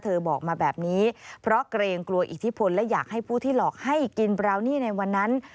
บอกมาแบบนี้เพราะเกรงกลัวอิทธิพลและอยากให้ผู้ที่หลอกให้กินบราวนี่ในวันนั้น